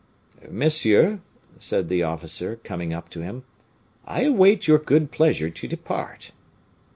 "Monsieur," said the officer, coming up to him, "I await your good pleasure to depart."